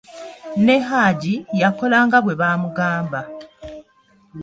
Ne Haji yakola nga bwe baamugamba.